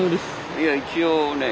いや一応ね